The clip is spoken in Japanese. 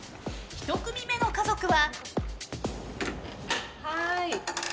１組目の家族は。